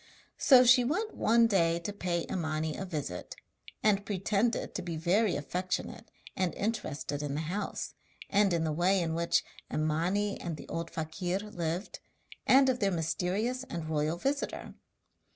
So she went one day to pay Imani a visit, and pretended to be very affectionate, and interested in the house, and in the way in which Imani and the old fakir lived, and of their mysterious and royal visitor.